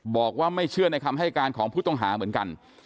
บอกว่าไม่เชื่อในคำให้การของผู้ต้องหาเหมือนกัน